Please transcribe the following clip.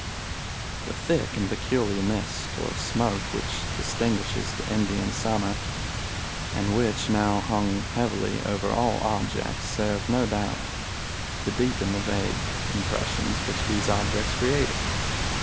"The thick and peculiar mist, or smoke, which distinguishes the Indian Summer, and which now hung heavily over all objects, served, no doubt, to deepen the vague impressions which these objects created.